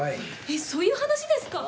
えっそういう話ですか？